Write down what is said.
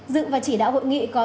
dự và chỉ đạo hội nghị có